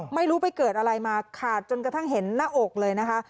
ไม่รู้ไปเกิดอะไรมาขาดจนกระทั่งเห็นหน้าอกเลยนะคะ